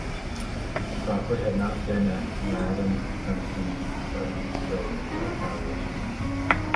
Crawford had not been at Gnadenhutten but was killed in retaliation.